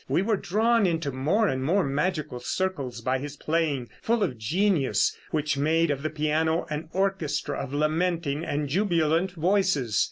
We were drawn into more and more magical circles by his playing, full of genius, which made of the piano an orchestra of lamenting and jubilant voices.